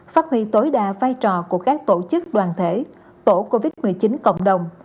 phát huy tối đa vai trò của các tổ chức đoàn thể tổ covid một mươi chín cộng đồng